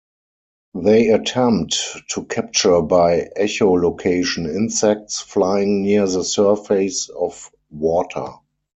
They attempt to capture by echolocation insects flying near the surface of water.